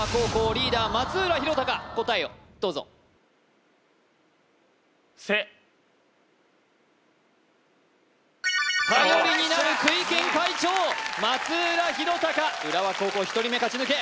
リーダー松浦央尚答えをどうぞ頼りになるクイ研会長松浦央尚浦和高校１人目勝ち抜け